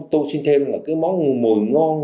tôi xin thêm là cái món mùi ngon